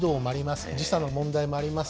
時差の問題もあります。